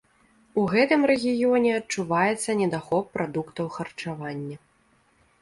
У гэтым рэгіёне адчуваецца недахоп прадуктаў харчавання.